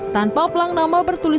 tanpa pelang nama bertulis